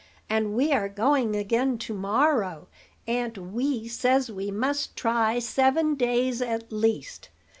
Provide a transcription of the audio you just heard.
and we are going again to morrow. Aunt Wee says we must try seven days at least.